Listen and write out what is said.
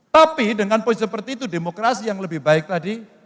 tapi dengan posisi seperti itu demokrasi yang lebih baik tadi